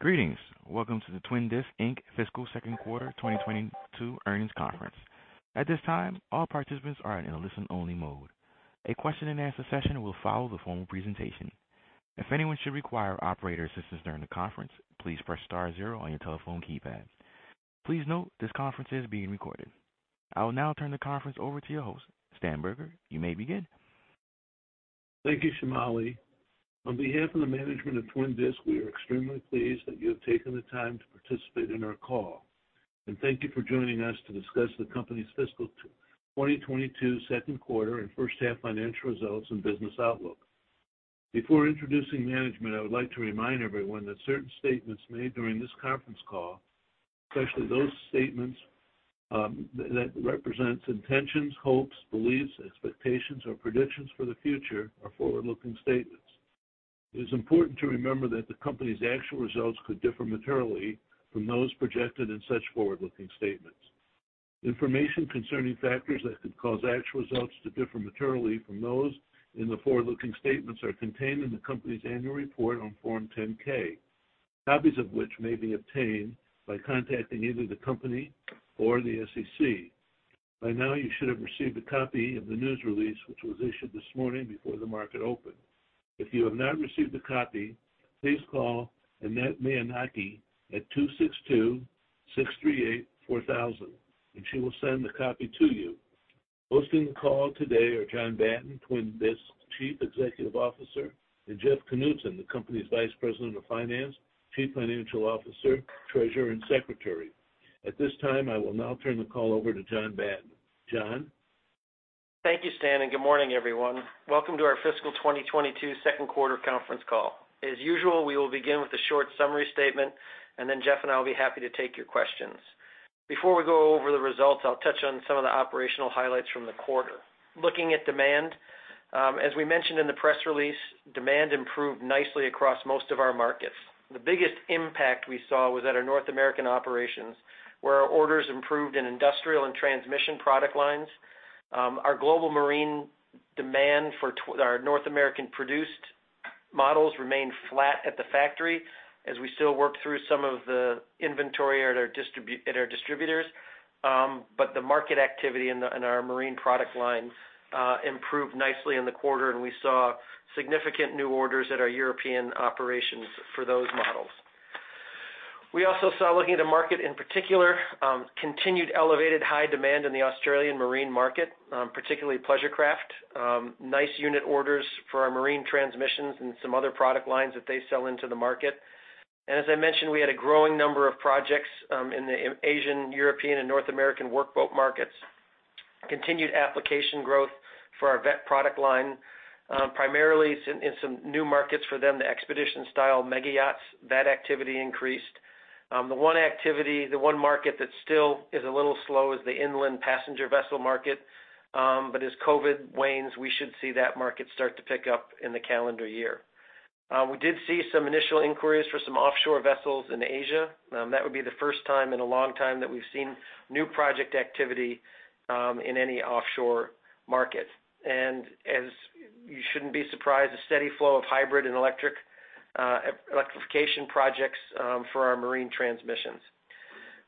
Greetings. Welcome to the Twin Disc, Inc. fiscal second quarter 2022 Earnings Conference. At this time, all participants are in a listen-only mode. A question-and-answer session will follow the formal presentation. If anyone should require operator assistance during the conference, please press star zero on your telephone keypad. Please note, this conference is being recorded. I will now turn the conference over to your host, Stan Berger. You may begin. Thank you, Shamali. On behalf of the management of Twin Disc, we are extremely pleased that you have taken the time to participate in our call, and thank you for joining us to discuss the company's fiscal 2022 second quarter and first-half financial results and business outlook. Before introducing management, I would like to remind everyone that certain statements made during this conference call, especially those statements that represents intentions, hopes, beliefs, expectations, or predictions for the future are forward-looking statements. It is important to remember that the company's actual results could differ materially from those projected in such forward-looking statements. Information concerning factors that could cause actual results to differ materially from those in the forward-looking statements are contained in the company's annual report on Form 10-K, copies of which may be obtained by contacting either the company or the SEC. By now, you should have received a copy of the news release, which was issued this morning before the market opened. If you have not received a copy, please call Annette Maienhaage at 262-638-4000, and she will send a copy to you. Hosting the call today are John Batten, Twin Disc's Chief Executive Officer, and Jeff Knutson, the company's Vice President of Finance, Chief Financial Officer, Treasurer, and Secretary. At this time, I will now turn the call over to John Batten. John? Thank you, Stan, and good morning, everyone. Welcome to our fiscal 2022 second quarter conference call. As usual, we will begin with a short summary statement, and then Jeff and I will be happy to take your questions. Before we go over the results, I'll touch on some of the operational highlights from the quarter. Looking at demand, as we mentioned in the press release, demand improved nicely across most of our markets. The biggest impact we saw was at our North American operations, where our orders improved in industrial and transmission product lines. Our global marine demand for our North American-produced models remained flat at the factory as we still work through some of the inventory at our distributors. The market activity in our marine product lines improved nicely in the quarter, and we saw significant new orders at our European operations for those models. We also saw, looking at the market in particular, continued elevated high demand in the Australian marine market, particularly pleasure craft. Nice unit orders for our marine transmissions and some other product lines that they sell into the market. As I mentioned, we had a growing number of projects in the Asian, European, and North American workboat markets. Continued application growth for our Veth product line, primarily in some new markets for them, the expedition-style mega yachts. That activity increased. The one activity, the one market that still is a little slow is the inland passenger vessel market. As COVID wanes, we should see that market start to pick up in the calendar year. We did see some initial inquiries for some offshore vessels in Asia. That would be the first time in a long time that we've seen new project activity in any offshore market. As you shouldn't be surprised, a steady flow of hybrid and electric electrification projects for our marine transmissions.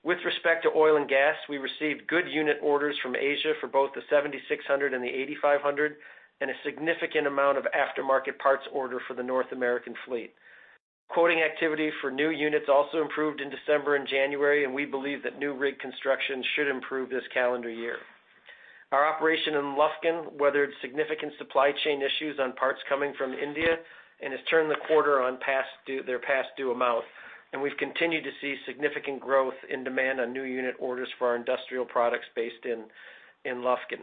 With respect to oil and gas, we received good unit orders from Asia for both the 7600 and the 8500, and a significant amount of aftermarket parts order for the North American fleet. Quoting activity for new units also improved in December and January, and we believe that new rig construction should improve this calendar year. Our operation in Lufkin weathered significant supply chain issues on parts coming from India and has turned the quarter on past due, their past due amount. We've continued to see significant growth in demand on new unit orders for our industrial products based in Lufkin.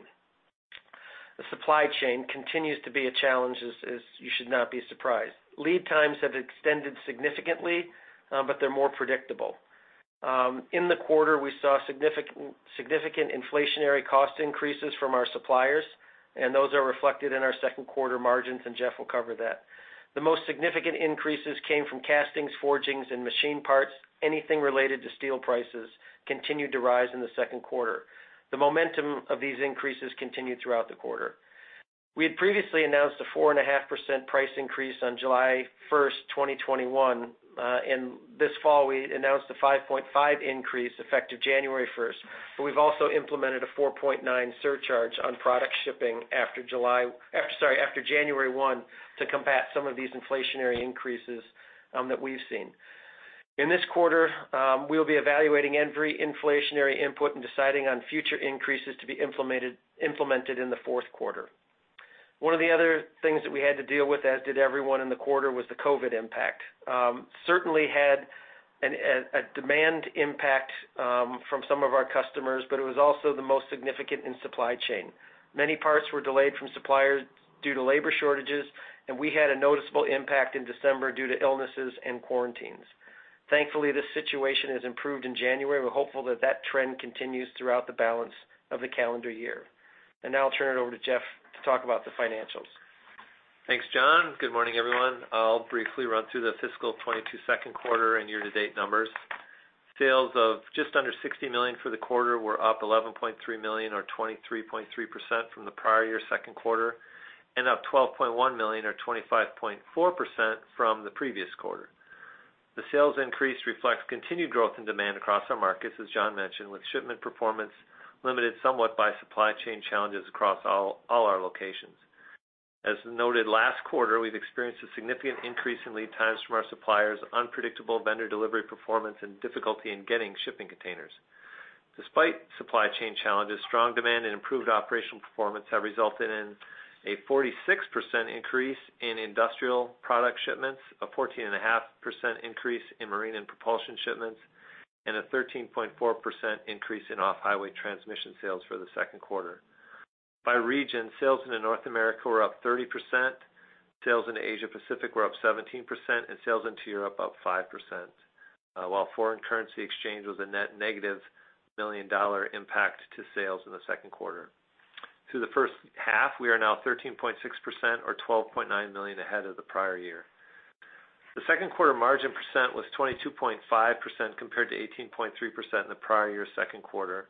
The supply chain continues to be a challenge, as you should not be surprised. Lead times have extended significantly, but they're more predictable. In the quarter, we saw significant inflationary cost increases from our suppliers, and those are reflected in our second quarter margins, and Jeff will cover that. The most significant increases came from castings, forgings, and machine parts. Anything related to steel prices continued to rise in the second quarter. The momentum of these increases continued throughout the quarter. We had previously announced a 4.5% price increase on July 1, 2021. This fall, we announced a 5.5% increase effective January 1, 2022. We've also implemented a 4.9% surcharge on product shipping after January 1, 2022 to combat some of these inflationary increases that we've seen. In this quarter, we'll be evaluating every inflationary input and deciding on future increases to be implemented in the fourth quarter. One of the other things that we had to deal with, as did everyone in the quarter, was the COVID impact. It certainly had a demand impact from some of our customers, but it was also the most significant in supply chain. Many parts were delayed from suppliers due to labor shortages, and we had a noticeable impact in December due to illnesses and quarantines. Thankfully, this situation has improved in January. We're hopeful that that trend continues throughout the balance of the calendar year. Now I'll turn it over to Jeff Knutson to talk about the financials. Thanks, John. Good morning, everyone. I'll briefly run through the fiscal 2022 second quarter and year-to-date numbers. Sales of just under $60 million for the quarter were up $11.3 million or 23.3% from the prior year second quarter, and up $12.1 million or 25.4% from the previous quarter. The sales increase reflects continued growth and demand across our markets, as John mentioned, with shipment performance limited somewhat by supply chain challenges across all our locations. As noted last quarter, we've experienced a significant increase in lead times from our suppliers, unpredictable vendor delivery performance and difficulty in getting shipping containers. Despite supply chain challenges, strong demand and improved operational performance have resulted in a 46% increase in industrial product shipments, a 14.5% increase in marine and propulsion shipments, and a 13.4% increase in off-highway transmission sales for the second quarter. By region, sales into North America were up 30%. Sales into Asia Pacific were up 17%, and sales into Europe up 5%. While foreign currency exchange was a net negative $1 million impact to sales in the second quarter. Through the first half, we are now 13.6% or $12.9 million ahead of the prior year. The second quarter margin percent was 22.5% compared to 18.3% in the prior year second quarter.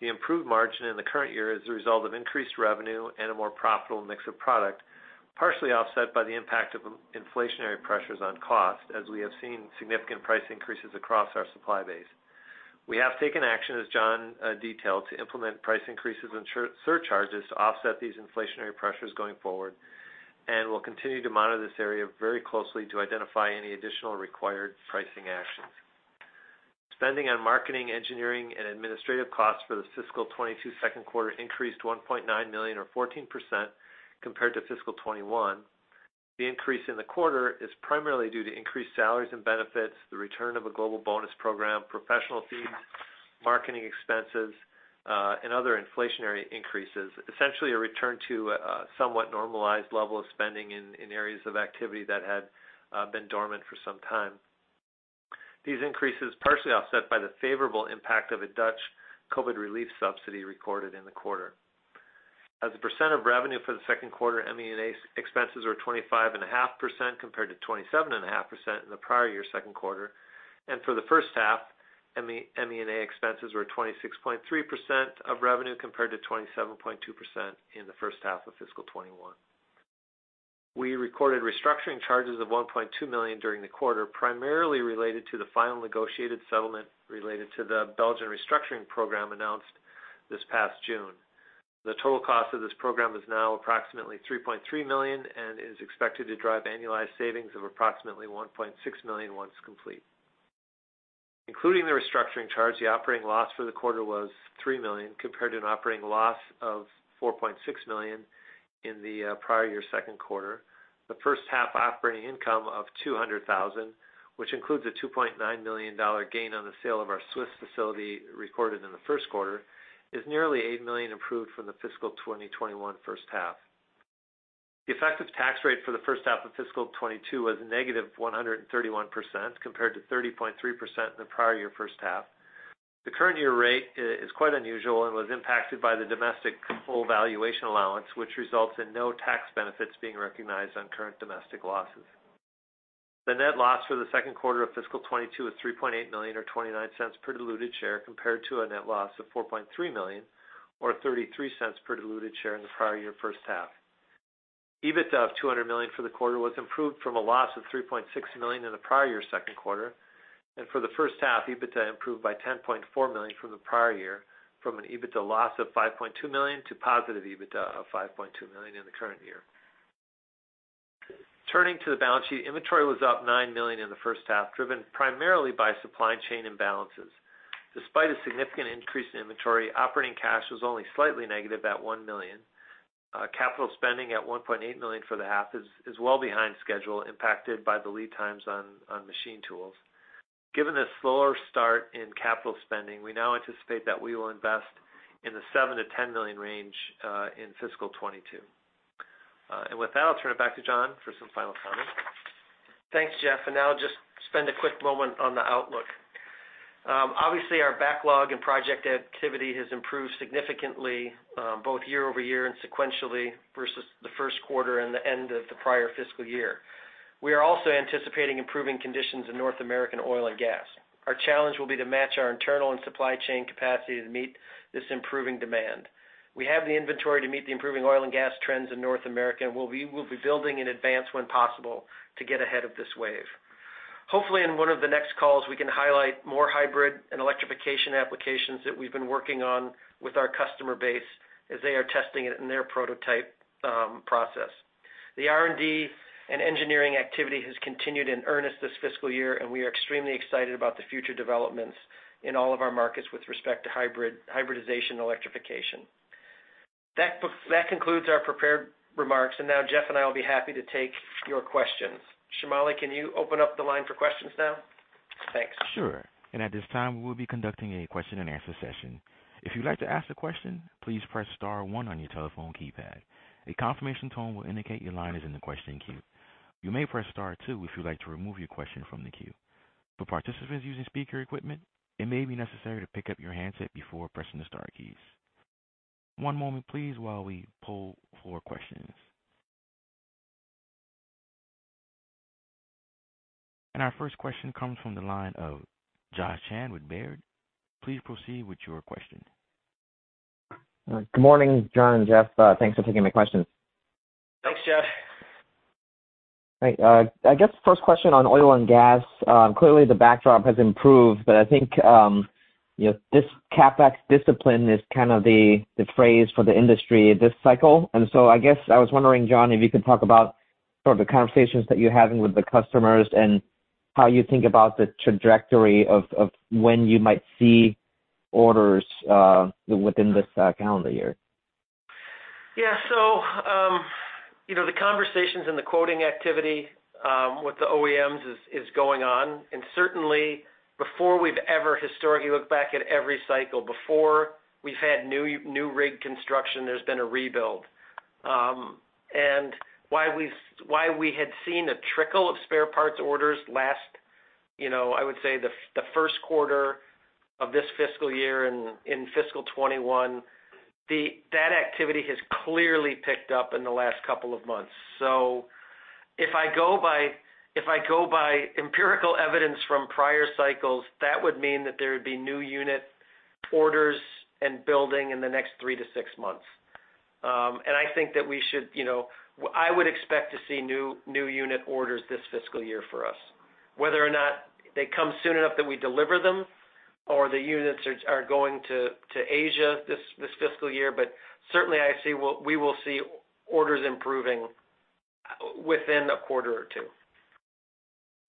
The improved margin in the current year is a result of increased revenue and a more profitable mix of product, partially offset by the impact of inflationary pressures on cost, as we have seen significant price increases across our supply base. We have taken action, as John detailed, to implement price increases and surcharges to offset these inflationary pressures going forward, and we'll continue to monitor this area very closely to identify any additional required pricing actions. Spending on marketing, engineering, and administrative costs for the fiscal 2022 second quarter increased $1.9 million or 14% compared to fiscal 2021. The increase in the quarter is primarily due to increased salaries and benefits, the return of a global bonus program, professional fees, marketing expenses, and other inflationary increases. Essentially a return to a somewhat normalized level of spending in areas of activity that had been dormant for some time. These increases were partially offset by the favorable impact of a Dutch COVID relief subsidy recorded in the quarter. As a percent of revenue for the second quarter, ME&A expenses were 25.5% compared to 27.5% in the prior year second quarter. For the first half, ME&A expenses were 26.3% of revenue compared to 27.2% in the first half of fiscal 2021. We recorded restructuring charges of $1.2 million during the quarter, primarily related to the final negotiated settlement related to the Belgian restructuring program announced this past June. The total cost of this program is now approximately $3.3 million and is expected to drive annualized savings of approximately $1.6 million once complete. Including the restructuring charge, the operating loss for the quarter was $3 million, compared to an operating loss of $4.6 million in the prior year second quarter. The first half operating income of $200,000, which includes a $2.9 million gain on the sale of our Swiss facility recorded in the first quarter, is nearly $8 million improved from the fiscal 2021 first half. The effective tax rate for the first half of fiscal 2022 was -131% compared to 30.3% in the prior year first half. The current year rate is quite unusual and was impacted by the domestic full valuation allowance, which results in no tax benefits being recognized on current domestic losses. The net loss for the second quarter of fiscal 2022 is $3.8 million or $0.29 per diluted share compared to a net loss of $4.3 million or $0.33 per diluted share in the prior year first half. EBITDA of $0.2 million for the quarter was improved from a loss of $3.6 million in the prior year second quarter. For the first half, EBITDA improved by $10.4 million from the prior year from an EBITDA loss of $5.2 million to positive EBITDA of $5.2 million in the current year. Turning to the balance sheet, inventory was up $9 million in the first half, driven primarily by supply chain imbalances. Despite a significant increase in inventory, operating cash was only slightly negative at $1 million. Capital spending at $1.8 million for the half is well behind schedule, impacted by the lead times on machine tools. Given the slower start in capital spending, we now anticipate that we will invest in the $7 million-$10 million range in fiscal 2022. With that, I'll turn it back to John for some final comments. Thanks, Jeff. Now just spend a quick moment on the outlook. Obviously, our backlog and project activity has improved significantly, both year-over-year and sequentially versus the first quarter and the end of the prior fiscal year. We are also anticipating improving conditions in North American oil and gas. Our challenge will be to match our internal and supply chain capacity to meet this improving demand. We have the inventory to meet the improving oil and gas trends in North America, and we'll be building in advance when possible to get ahead of this wave. Hopefully, in one of the next calls, we can highlight more hybrid and electrification applications that we've been working on with our customer base as they are testing it in their prototype process. The R&D and engineering activity has continued in earnest this fiscal year, and we are extremely excited about the future developments in all of our markets with respect to hybridization electrification. That concludes our prepared remarks. Now Jeff and I will be happy to take your questions. Shamali, can you open up the line for questions now? Thanks. Sure. At this time, we'll be conducting a question and answer session. If you'd like to ask a question, please press star one on your telephone keypad. A confirmation tone will indicate your line is in the question queue. You may press star two if you'd like to remove your question from the queue. For participants using speaker equipment, it may be necessary to pick up your handset before pressing the star keys. One moment please while we pull for questions. Our first question comes from the line of Joshua Chan with Baird. Please proceed with your question. Good morning, John and Jeff. Thanks for taking my questions. Thanks, Josh. Right. I guess first question on oil and gas. Clearly the backdrop has improved, but I think, you know, this CapEx discipline is kind of the phrase for the industry this cycle. I guess I was wondering, John, if you could talk about sort of the conversations that you're having with the customers and how you think about the trajectory of when you might see orders within this calendar year. Yeah. You know, the conversations and the quoting activity with the OEMs is going on. Certainly before we've ever historically looked back at every cycle, before we've had new rig construction, there's been a rebuild. Why we had seen a trickle of spare parts orders last, you know, I would say the first quarter of this fiscal year in fiscal 2021, that activity has clearly picked up in the last couple of months. If I go by empirical evidence from prior cycles, that would mean that there would be new unit orders and building in the next three to six months. I think that we should. You know, I would expect to see new unit orders this fiscal year for us. Whether or not they come soon enough that we deliver them or the units are going to Asia this fiscal year, but certainly I see we will see orders improving within a quarter or two.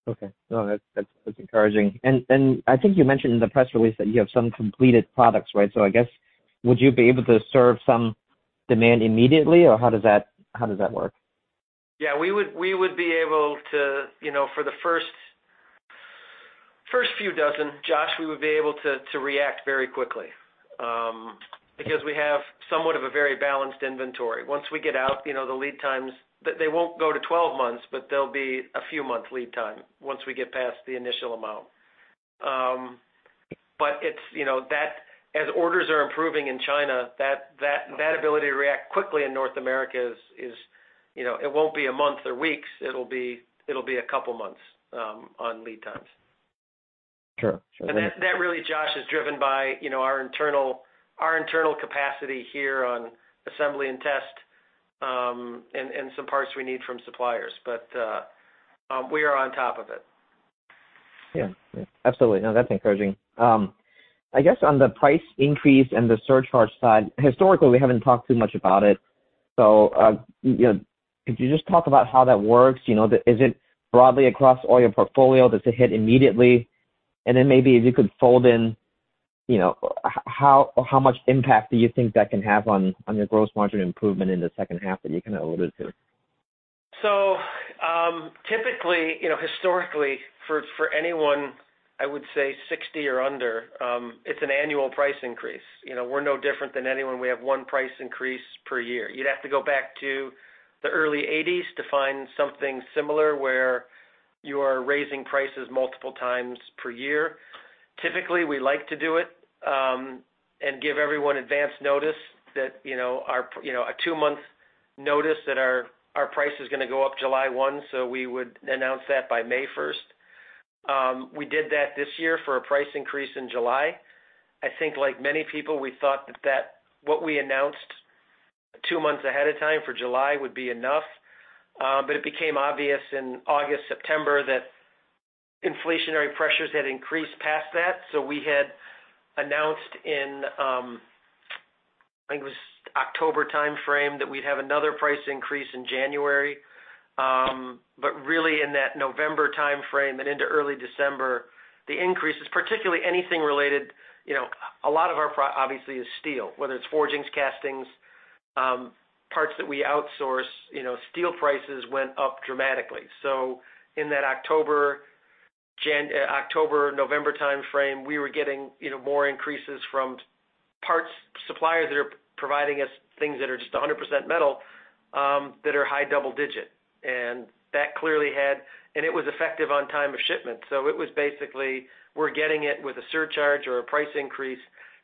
Okay. No, that's encouraging. I think you mentioned in the press release that you have some completed products, right? I guess, would you be able to serve some demand immediately, or how does that work? Yeah. We would be able to, you know, for the first few dozen, Josh, we would be able to react very quickly, because we have somewhat of a very balanced inventory. Once we get out, you know, the lead times, they won't go to 12 months, but they'll be a few months lead time once we get past the initial amount. But it's, you know, that as orders are improving in China, that ability to react quickly in North America is, you know, it won't be a month or weeks, it'll be a couple months on lead times. Sure. That really, Josh, is driven by, you know, our internal capacity here on assembly and test, and some parts we need from suppliers. We are on top of it. Yeah. Yeah. Absolutely. No, that's encouraging. I guess on the price increase and the surcharge side, historically, we haven't talked too much about it. You know, could you just talk about how that works? You know, is it broadly across all your portfolio that's a hit immediately? Then maybe if you could fold in, you know, how much impact do you think that can have on your gross margin improvement in the second half that you kinda alluded to? Typically, you know, historically for anyone, I would say 60 or under, it's an annual price increase. You know, we're no different than anyone. We have one price increase per year. You'd have to go back to the early eighties to find something similar where you are raising prices multiple times per year. Typically, we like to do it and give everyone advanced notice that, you know, a two-month notice that our price is gonna go up July 1, 2022 so we would announce that by May 1, 2022. We did that this year for a price increase in July. I think like many people, we thought that what we announced two months ahead of time for July would be enough, but it became obvious in August, September that inflationary pressures had increased past that. We had announced in, I think it was October timeframe that we'd have another price increase in January. Really in that November timeframe and into early December, the increases, particularly anything related, you know, a lot of our products obviously is steel, whether it's forgings, castings, parts that we outsource, you know, steel prices went up dramatically. In that October-November timeframe, we were getting, you know, more increases from parts suppliers that are providing us things that are just 100% metal, that are high double-digit. That clearly had an impact, and it was effective on time of shipment. It was basically we were getting it with a surcharge or a price increase,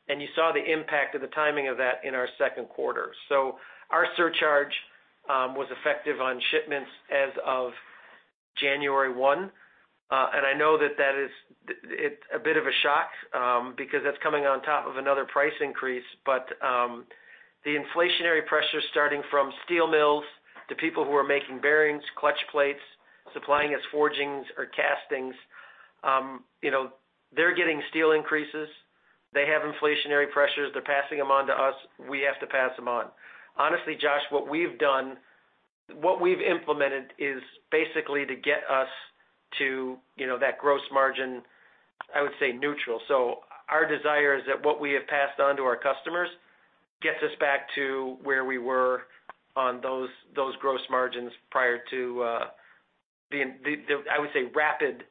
and you saw the impact of the timing of that in our second quarter. Our surcharge was effective on shipments as of January 1, 2022. I know that is, it's a bit of a shock, because that's coming on top of another price increase. The inflationary pressure starting from steel mills to people who are making bearings, clutch plates, supplying us forgings or castings, you know, they're getting steel increases. They have inflationary pressures. They're passing them on to us. We have to pass them on. Honestly, Josh, what we've done, what we've implemented is basically to get us to, you know, that gross margin, I would say neutral. Our desire is that what we have passed on to our customers gets us back to where we were on those gross margins prior to the, I would say, rapid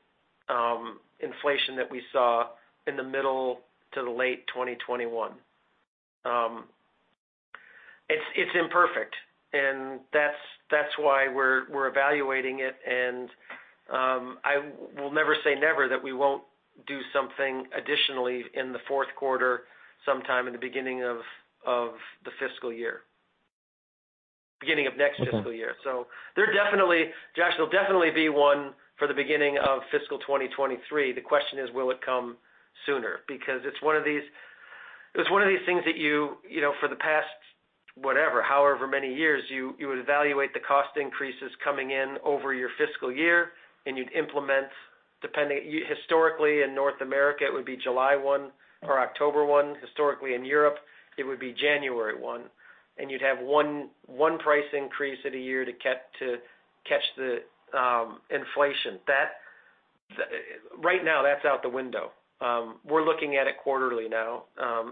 inflation that we saw in the middle to the late 2021. It's imperfect, and that's why we're evaluating it and I will never say never that we won't do something additionally in the fourth quarter, sometime in the beginning of the fiscal year, beginning of next fiscal year. There definitely, Josh, there'll definitely be one for the beginning of fiscal 2023. The question is, will it come sooner? Because it's one of these things that you know, for the past whatever, however many years, you would evaluate the cost increases coming in over your fiscal year, and you'd implement, depending. Historically, in North America, it would be July 1, 2022 or October 1, 2022. Historically, in Europe, it would be January 1, 2022. You'd have one price increase a year to keep to catch the inflation. That. Right now, that's out the window. We're looking at it quarterly now,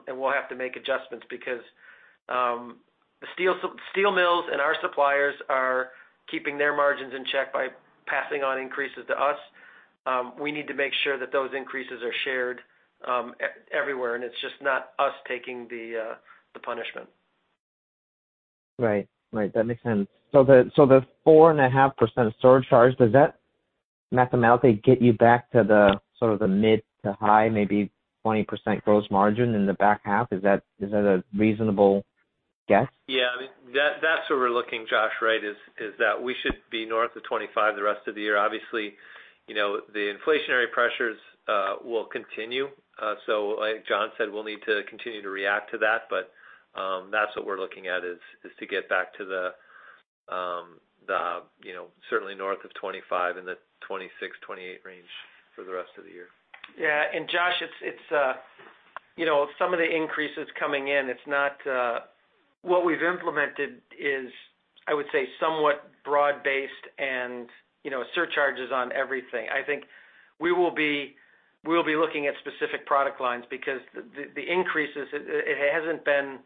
and we'll have to make adjustments because steel mills and our suppliers are keeping their margins in check by passing on increases to us. We need to make sure that those increases are shared everywhere, and it's just not us taking the punishment. Right. That makes sense. The 4.5% surcharge, does that mathematically get you back to the sort of mid to high, maybe 20% gross margin in the back half? Is that a reasonable guess? Yeah. I mean, that's where we're looking, Josh, right? Is that we should be north of 25% the rest of the year. Obviously, you know, the inflationary pressures will continue. Like John said, we'll need to continue to react to that. That's what we're looking at, is to get back to the, you know, certainly north of 25% in the 26%-28% range for the rest of the year. Yeah, Josh, it's you know, some of the increases coming in. It's not. What we've implemented is, I would say, somewhat broad-based and, you know, surcharges on everything. I think we will be looking at specific product lines because the increases, it hasn't been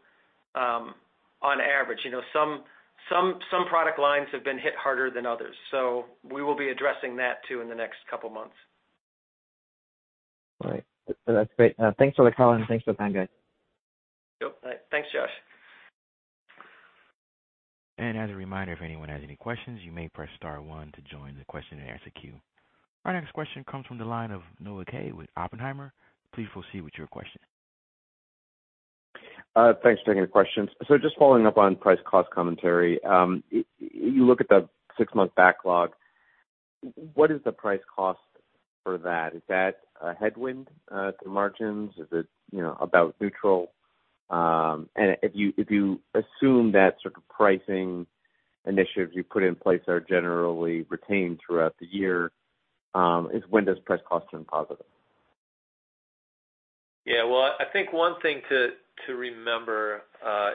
on average. You know, some product lines have been hit harder than others. We will be addressing that, too, in the next couple of months. All right. That's great. Thanks for the call, and thanks for the time, guys. Yep. Thanks, Josh. As a reminder, if anyone has any questions, you may press star one to join the question and answer queue. Our next question comes from the line of Noah Kaye with Oppenheimer. Please proceed with your question. Thanks for taking the questions. Just following up on price cost commentary, you look at the six-month backlog, what is the price cost for that? Is that a headwind to margins? Is it, you know, about neutral? If you assume that sort of pricing initiatives you put in place are generally retained throughout the year, when does price cost turn positive? Yeah. Well, I think one thing to remember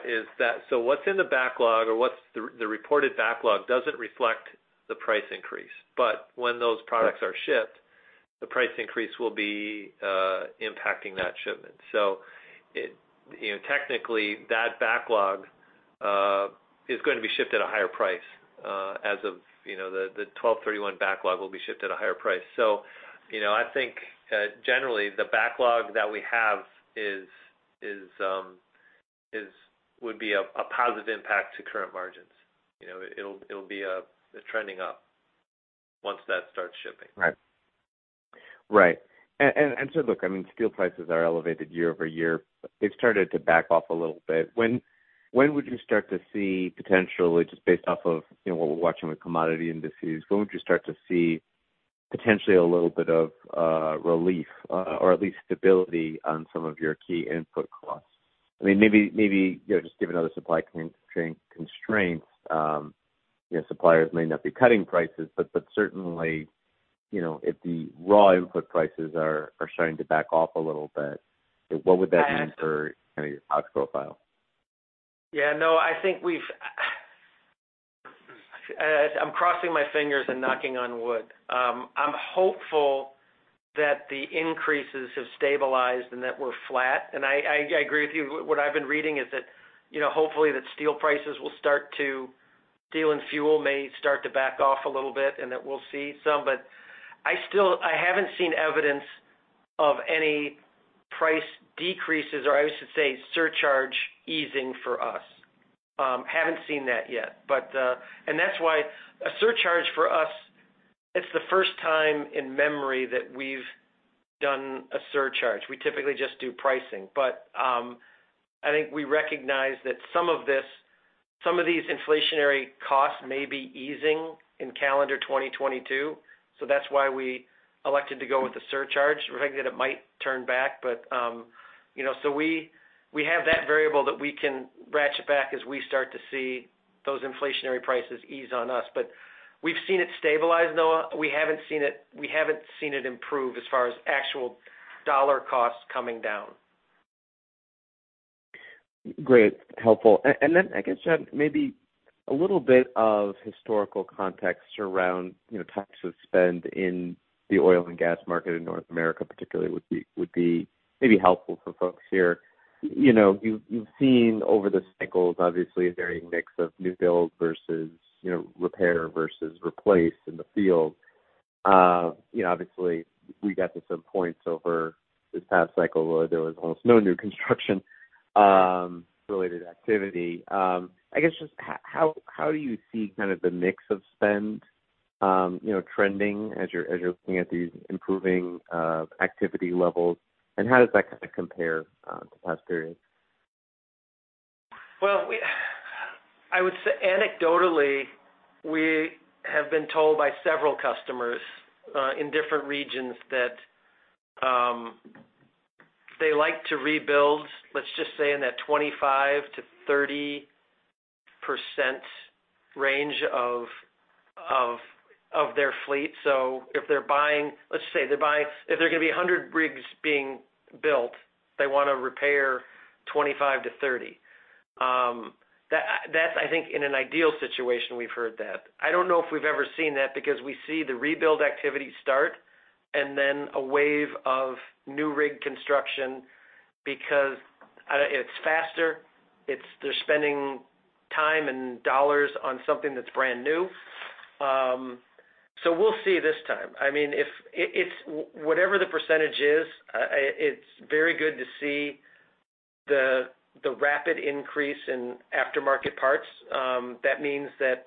is that what's in the backlog or what's the reported backlog doesn't reflect the price increase. When those products are shipped, the price increase will be impacting that shipment. You know, technically, that backlog is going to be shipped at a higher price as of the 12/31 backlog will be shipped at a higher price. You know, I think generally, the backlog that we have would be a positive impact to current margins. You know, it'll be trending up once that starts shipping. Right. Look, I mean, steel prices are elevated year-over-year. They've started to back off a little bit. When would you start to see potentially, just based off of, you know, what we're watching with commodity indices, when would you start to see potentially a little bit of relief or at least stability on some of your key input costs? I mean, maybe, you know, just given other supply constraints, you know, suppliers may not be cutting prices, but certainly, you know, if the raw input prices are starting to back off a little bit, what would that mean for kind of your cost profile? Yeah, no, I think I'm crossing my fingers and knocking on wood. I'm hopeful that the increases have stabilized and that we're flat. I agree with you. What I've been reading is that, you know, hopefully steel and fuel may start to back off a little bit, and that we'll see some. I haven't seen evidence of any price decreases, or I should say, surcharge easing for us, haven't seen that yet. That's why a surcharge for us, it's the first time in memory that we've done a surcharge. We typically just do pricing. I think we recognize that some of this, some of these inflationary costs may be easing in calendar 2022, so that's why we elected to go with the surcharge. We're thinking that it might turn back. You know, so we have that variable that we can ratchet back as we start to see those inflationary prices ease on us. We've seen it stabilize, Noah. We haven't seen it improve as far as actual dollar costs coming down. Great. Helpful. Then I guess, John, maybe a little bit of historical context around, you know, types of spend in the oil and gas market in North America particularly would be maybe helpful for folks here. You know, you've seen over the cycles, obviously, a varying mix of new builds versus, you know, repair versus replace in the field. You know, obviously, we got to some points over this past cycle where there was almost no new construction related activity. I guess just how do you see kind of the mix of spend, you know, trending as you're looking at these improving activity levels, and how does that kind of compare to past periods? Well, I would say anecdotally, we have been told by several customers in different regions that they like to rebuild, let's just say in that 25%-30% range of their fleet. If they're gonna be 100 rigs being built, they wanna repair 25 to 30. That's I think in an ideal situation, we've heard that. I don't know if we've ever seen that because we see the rebuild activity start and then a wave of new rig construction because it's faster, they're spending time and dollars on something that's brand new. We'll see this time. I mean, if it's whatever the percentage is, it's very good to see the rapid increase in aftermarket parts. That means that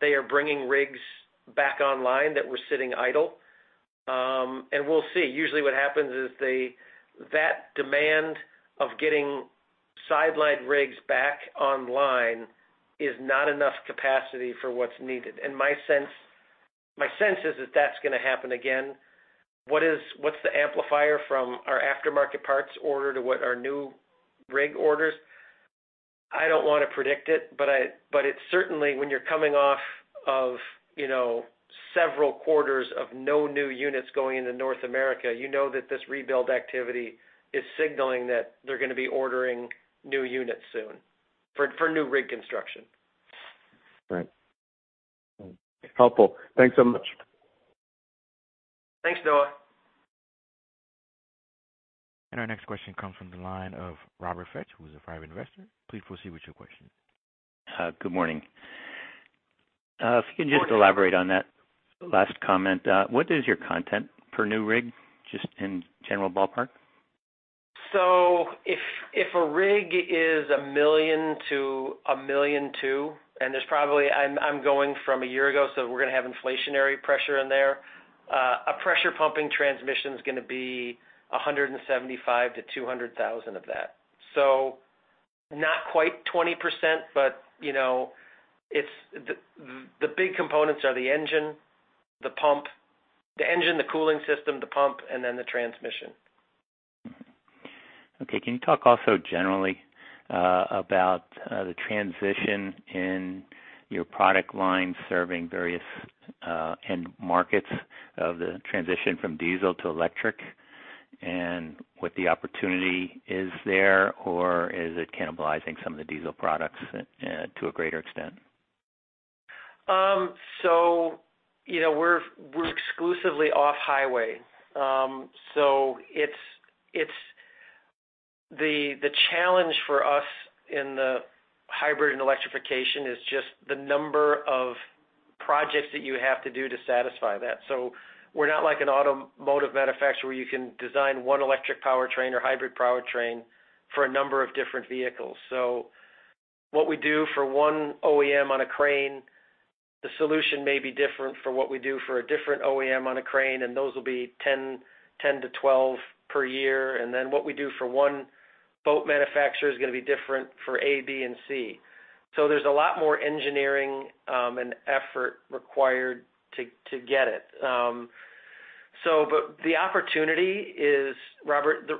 they are bringing rigs back online that were sitting idle. We'll see. Usually what happens is that demand of getting sidelined rigs back online is not enough capacity for what's needed. My sense is that that's gonna happen again. What's the amplifier from our aftermarket parts order to what our new rig orders? I don't wanna predict it, but it's certainly when you're coming off of, you know, several quarters of no new units going into North America, you know that this rebuild activity is signaling that they're gonna be ordering new units soon for new rig construction. Right. Helpful. Thanks so much. Thanks, Noah. Our next question comes from the line of Robert Fetch, who is a Private Investor. P.lease proceed with your question. Good morning. If you can just elaborate on that last comment. What is your content per new rig, just in general ballpark? If a rig is $1 million-$1.2 million, I'm going from a year ago, so we're gonna have inflationary pressure in there. A pressure pumping transmission is gonna be $175,000-$200,000 of that. Not quite 20%, but you know, it's the big components are the engine, the cooling system, the pump, and then the transmission. Okay. Can you talk also generally about the transition in your product line serving various end markets of the transition from diesel to electric, and what the opportunity is there, or is it cannibalizing some of the diesel products to a greater extent? You know, we're exclusively off-highway. It's the challenge for us in the hybrid and electrification is just the number of projects that you have to do to satisfy that. We're not like an automotive manufacturer where you can design one electric powertrain or hybrid powertrain for a number of different vehicles. What we do for one OEM on a crane, the solution may be different from what we do for a different OEM on a crane, and those will be 10-12 per year. Then what we do for one boat manufacturer is gonna be different for A, B, and C. There's a lot more engineering and effort required to get it. The opportunity is, Robert,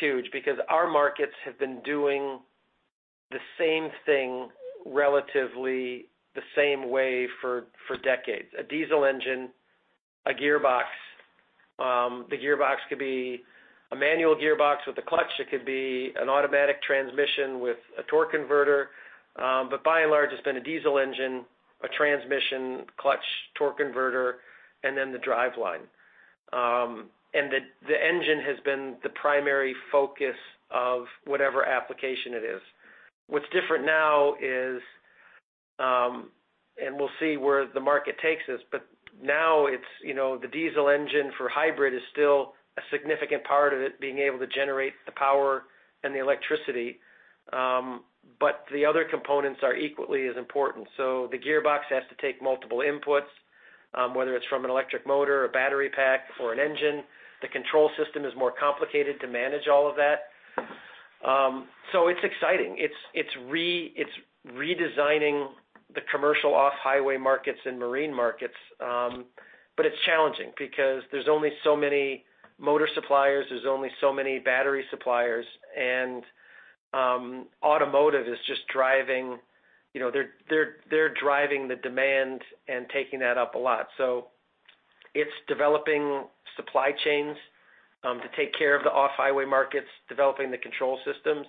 huge because our markets have been doing the same thing relatively the same way for decades. A diesel engine, a gearbox. The gearbox could be a manual gearbox with a clutch. It could be an automatic transmission with a torque converter. By and large, it's been a diesel engine, a transmission, clutch, torque converter, and then the driveline. The engine has been the primary focus of whatever application it is. What's different now is, we'll see where the market takes this, but now it's, you know, the diesel engine for hybrid is still a significant part of it being able to generate the power and the electricity, but the other components are equally as important. The gearbox has to take multiple inputs, whether it's from an electric motor or battery pack or an engine. The control system is more complicated to manage all of that. It's exciting. It's redesigning the commercial off-highway markets and marine markets. It's challenging because there's only so many motor suppliers, there's only so many battery suppliers, and automotive is just driving, you know, they're driving the demand and taking that up a lot. It's developing supply chains to take care of the off-highway markets, developing the control systems.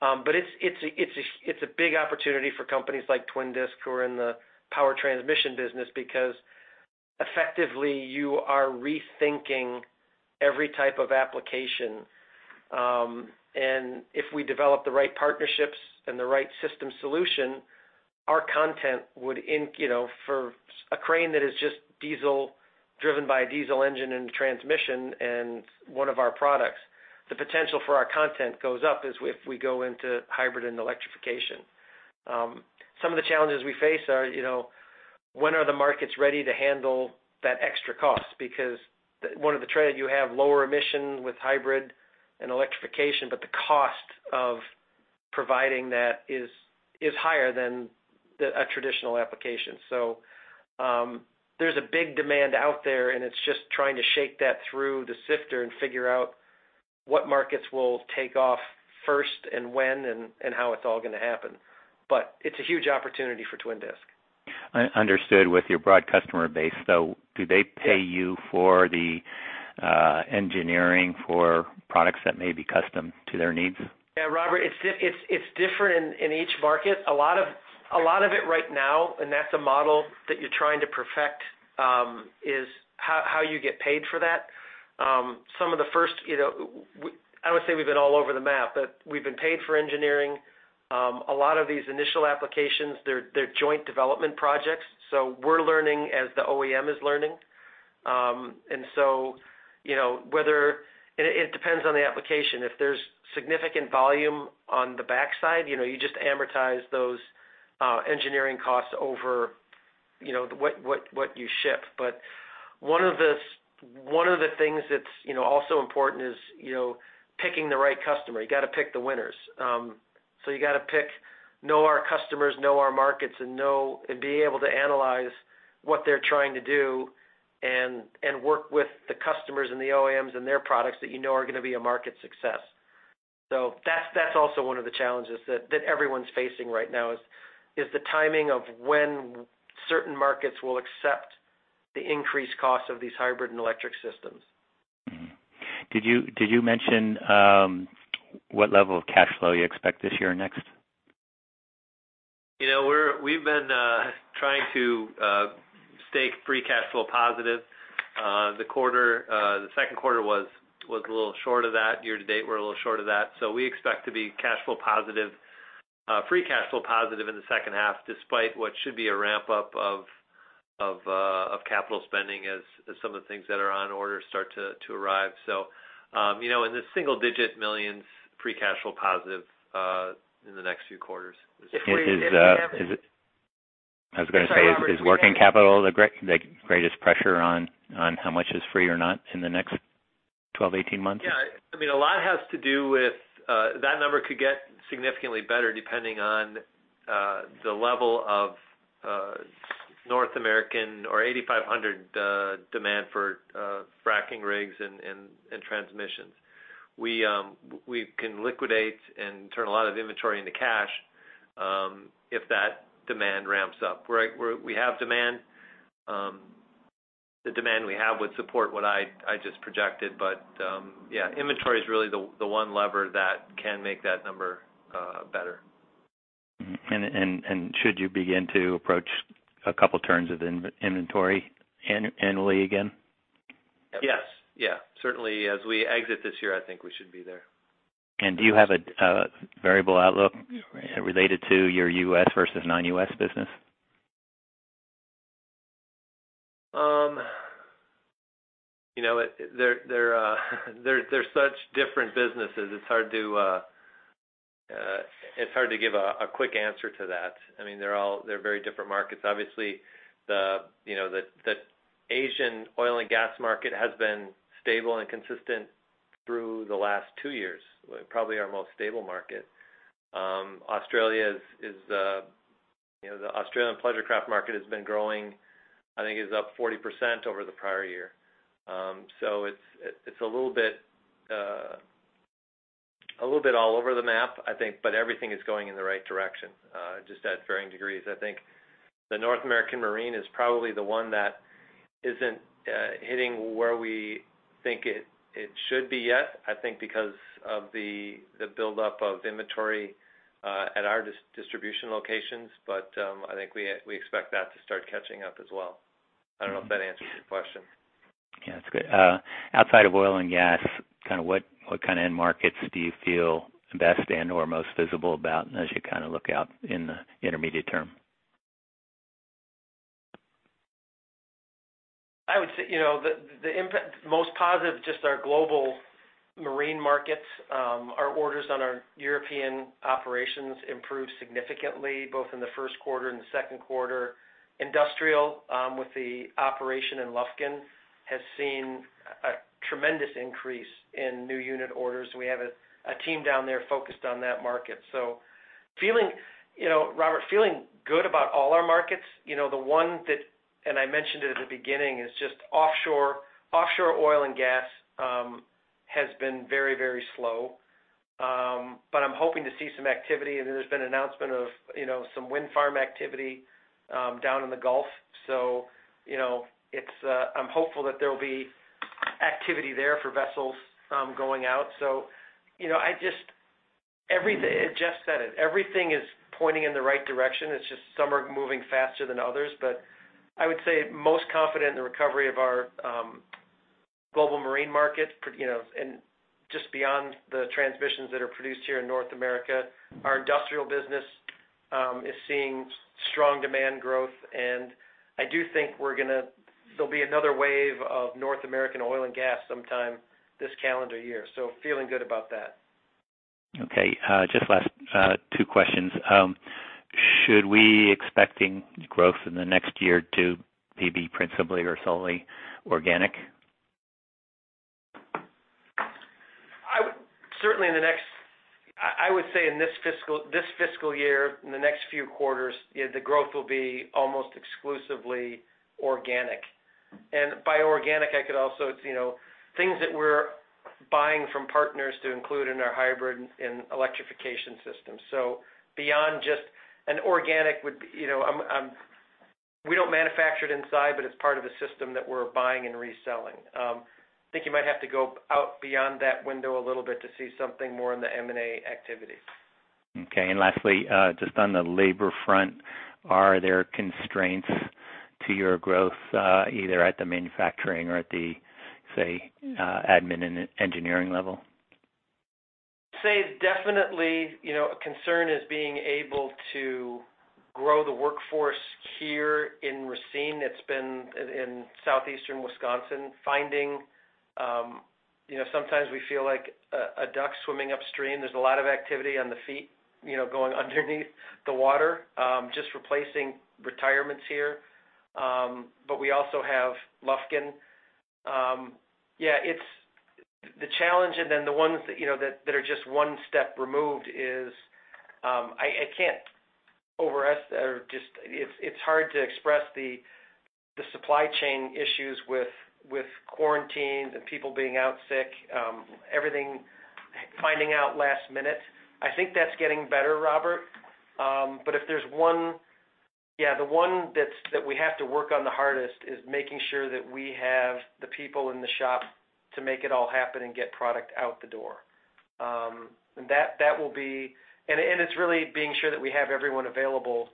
It's a big opportunity for companies like Twin Disc who are in the power transmission business because effectively you are rethinking every type of application. If we develop the right partnerships and the right system solution, you know, for a crane that is just diesel, driven by a diesel engine and transmission and one of our products, the potential for our content goes up if we go into hybrid and electrification. Some of the challenges we face are, you know, when are the markets ready to handle that extra cost? Because one of the trade-offs, you have lower emissions with hybrid and electrification, but the cost of providing that is higher than a traditional application. There's a big demand out there, and it's just trying to shake that through the sifter and figure out what markets will take off first and when and how it's all gonna happen. It's a huge opportunity for Twin Disc. Understood with your broad customer base. Do they pay you for the engineering for products that may be custom to their needs? Yeah, Robert, it's different in each market. A lot of it right now, and that's a model that you're trying to perfect, is how you get paid for that. Some of the first, you know, I would say we've been all over the map, but we've been paid for engineering. A lot of these initial applications, they're joint development projects, so we're learning as the OEM is learning. You know, it depends on the application. If there's significant volume on the backside, you know, you just amortize those engineering costs over, you know, what you ship. One of the things that's, you know, also important is, you know, picking the right customer. You got to pick the winners. You got to pick, know our customers, know our markets, and be able to analyze what they're trying to do and work with the customers and the OEMs and their products that you know are gonna be a market success. That's also one of the challenges that everyone's facing right now is the timing of when certain markets will accept the increased cost of these hybrid and electric systems. Did you mention what level of cash flow you expect this year or next? You know, we've been trying to stay free cash flow positive. The second quarter was a little short of that. Year to date, we're a little short of that. We expect to be cash flow positive, free cash flow positive in the second half, despite what should be a ramp up of capital spending as some of the things that are on order start to arrive. You know, in the $1 million-$9 million free cash flow positive in the next few quarters is- Is, is, uh, is it- If we have it. I was gonna say. Sorry, Robert. is working capital the greatest pressure on how much is free or not in the next 12, 18 months? Yeah. I mean, a lot has to do with that number could get significantly better depending on the level of North American or 8500 Series demand for fracking rigs and transmissions. We can liquidate and turn a lot of inventory into cash if that demand ramps up. We have demand. The demand we have would support what I just projected. But yeah, inventory is really the one lever that can make that number better. Should you begin to approach a couple turns of inventory annually again? Yes. Yeah. Certainly as we exit this year, I think we should be there. Do you have a variable outlook related to your U.S. versus non-U.S. business? You know, they're such different businesses. It's hard to give a quick answer to that. I mean, they're very different markets. Obviously, you know, the Asian oil and gas market has been stable and consistent through the last two years, probably our most stable market. Australia is, you know, the Australian Pleasure Craft market has been growing. I think it's up 40% over the prior year. It's a little bit all over the map, I think, but everything is going in the right direction, just at varying degrees. I think the North American marine is probably the one that isn't hitting where we think it should be yet, I think because of the buildup of inventory at our distribution locations. I think we expect that to start catching up as well. I don't know if that answers your question. Yeah, that's great. Outside of oil and gas, kind of what kind of end markets do you feel best and/or most visible about as you kind of look out in the intermediate term? I would say, you know, the most positive, just our global marine markets. Our orders on our European operations improved significantly, both in the first quarter and the second quarter. Industrial, with the operation in Lufkin, has seen a tremendous increase in new unit orders. We have a team down there focused on that market. Feeling, you know, Robert, feeling good about all our markets. You know, the one that I mentioned at the beginning is just offshore. Offshore oil and gas has been very, very slow. I'm hoping to see some activity, and then there's been an announcement of, you know, some wind farm activity down in the Gulf. You know, I'm hopeful that there will be activity there for vessels going out. You know, I just. Jeff said it, everything is pointing in the right direction. It's just some are moving faster than others. I would say most confident in the recovery of our global marine market, you know, and just beyond the transmissions that are produced here in North America, our industrial business is seeing strong demand growth. I do think there'll be another wave of North American oil and gas sometime this calendar year, so feeling good about that. Okay. Just last two questions. Should we expecting growth in the next year to maybe principally or solely organic? I would say in this fiscal year, in the next few quarters, yeah, the growth will be almost exclusively organic. By organic, it's you know, things that we're buying from partners to include in our hybrid and electrification system. Beyond just an organic would, you know, we don't manufacture it inside, but it's part of a system that we're buying and reselling. I think you might have to go out beyond that window a little bit to see something more in the M&A activity. Okay. Lastly, just on the labor front, are there constraints to your growth, either at the manufacturing or at the, say, admin and engineering level? So definitely, you know, a concern is being able to grow the workforce here in Racine. It's been in Southeastern Wisconsin finding you know sometimes we feel like a duck swimming upstream. There's a lot of activity on the feet, you know, going underneath the water just replacing retirements here. We also have Lufkin. Yeah, it's the challenge and then the ones that you know that are just one step removed is it's hard to express the supply chain issues with quarantines and people being out sick, everything finding out last minute. I think that's getting better, Robert. If there's one... Yeah, the one that we have to work on the hardest is making sure that we have the people in the shop to make it all happen and get product out the door. And that will be and it's really being sure that we have everyone available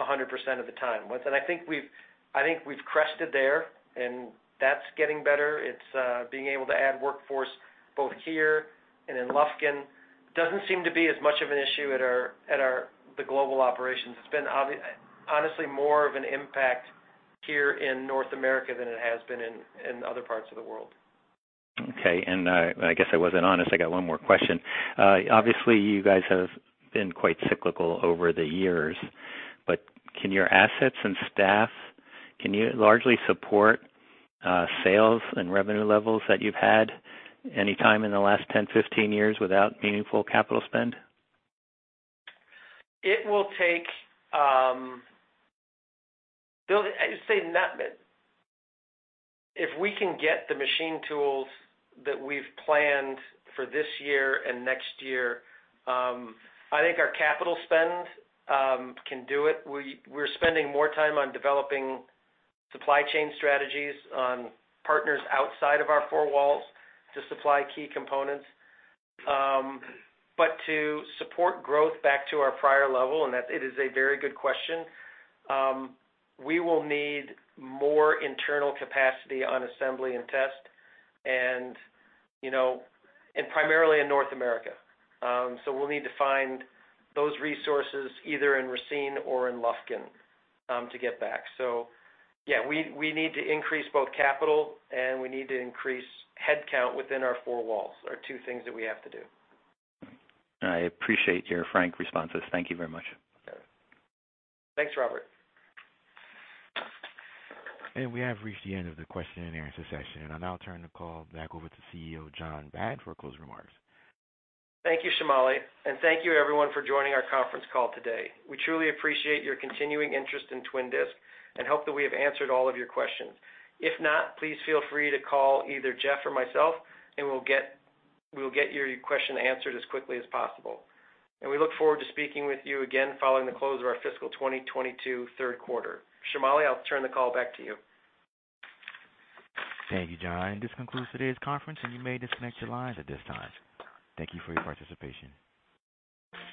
100% of the time. I think we've crested there, and that's getting better. It's being able to add workforce both here and in Lufkin. It doesn't seem to be as much of an issue at our the global operations. It's been honestly more of an impact here in North America than it has been in other parts of the world. Okay. I guess I wasn't honest. I got one more question. Obviously, you guys have been quite cyclical over the years, but can your assets and staff largely support sales and revenue levels that you've had any time in the last 10, 15 years without meaningful capital spend? I'd say not mid. If we can get the machine tools that we've planned for this year and next year, I think our capital spend can do it. We're spending more time on developing supply chain strategies on partners outside of our four walls to supply key components. To support growth back to our prior level, and that it is a very good question, we will need more internal capacity on assembly and test and, you know, and primarily in North America. We'll need to find those resources either in Racine or in Lufkin to get back. Yeah, we need to increase both capital and headcount within our four walls, are two things that we have to do. I appreciate your frank responses. Thank you very much. Okay. Thanks, Robert. We have reached the end of the question and answer session. I'll now turn the call back over to CEO John H. Batten for closing remarks. Thank you, Shamali. Thank you everyone for joining our conference call today. We truly appreciate your continuing interest in Twin Disc and hope that we have answered all of your questions. If not, please feel free to call either Jeff or myself, and we'll get your question answered as quickly as possible. We look forward to speaking with you again following the close of our fiscal 2022 third quarter. Shamali, I'll turn the call back to you. Thank you, John. This concludes today's conference, and you may disconnect your lines at this time. Thank you for your participation.